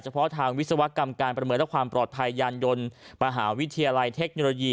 เพาะทางวิศวกรรมการประเมินและความปลอดภัยยานยนต์มหาวิทยาลัยเทคโนโลยี